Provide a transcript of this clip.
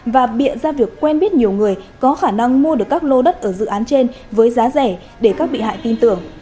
và biện ra việc quen biết nhiều người có khả năng mua được các lô đất ở dự án trên với giá rẻ để các bị hại tin tưởng